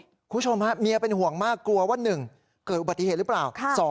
คุณผู้ชมฮะเมียเป็นห่วงมากกลัวว่า๑เกิดอุบัติเหตุหรือเปล่า